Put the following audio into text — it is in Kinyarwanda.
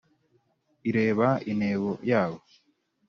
ireba intebo yabo,